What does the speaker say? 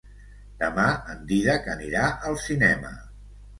Demà en Dídac anirà al cinema.